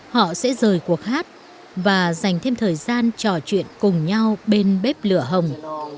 họ sẽ rời cuộc hát và dành thêm thời gian trò chuyện cùng nhau bên bếp lửa hồng